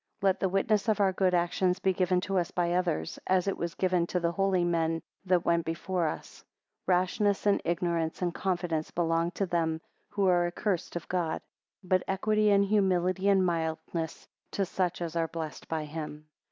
8 Let the witness of our good actions be given to us by others, as it was given to the holy men that went before us. 9 Rashness, and arrogance, and confidence, belong to them who are accursed of God: but equity, and humility, and mildness, to such as are blessed by him.